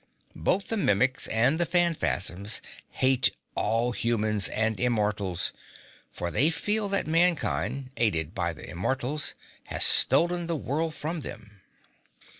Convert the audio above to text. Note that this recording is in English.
Both the Mimics and the Phanfasms hate all humans and immortals, for they feel that mankind, aided by the immortals, has stolen the world from them."